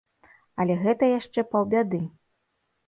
Але гэта яшчэ паўбяды.